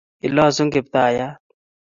ilosu kiptayat